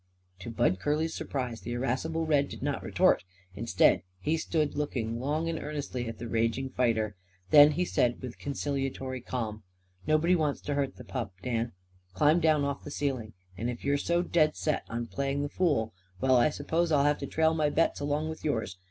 To Bud Curly's surprise the irascible Red did not retort. Instead, he stood looking long and earnestly at the raging fighter. Then he said with conciliatory calm: "Nobody wants to hurt the purp, Dan. Climb down off the ceiling. And if you're so dead set on playing the fool well, I s'pose I'll have to trail my bets along with yours.